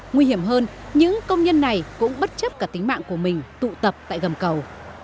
nguy hiểm hơn những công nhân này cũng bất chấp cả tính mạng của mình tụ tập tại gầm cầu